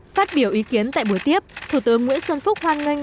phát biểu ý kiến tại buổi tiếp thủ tướng nguyễn xuân phúc hoan nghênh